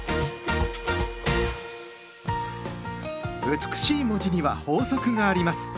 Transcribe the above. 美しい文字には法則があります。